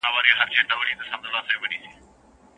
هغه د خپلو شعرونو له لارې د انسان روح ته غذا ورکوله.